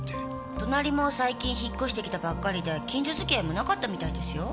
隣も最近引っ越してきたばっかりで近所付き合いもなかったみたいですよ。